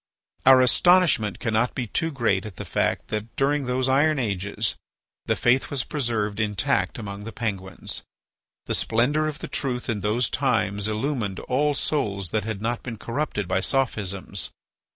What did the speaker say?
Our astonishment cannot be too great at the fact that, during those iron ages, the faith was preserved intact among the Penguins. The splendour of the truth in those times illumined all souls that had not been corrupted by sophisms.